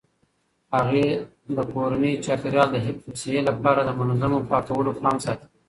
هغې د کورني چاپیریال د حفظ الصحې لپاره د منظمو پاکولو پام ساتي.